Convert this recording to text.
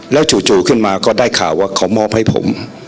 แล้วจู่ขึ้นมาก็ได้ข่าวว่าเขามอบให้ผม